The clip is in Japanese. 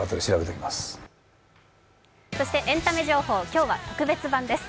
エンタメ情報、今日は特別版です。